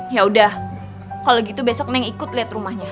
ya udah kalau gitu besok neng ikut lihat rumahnya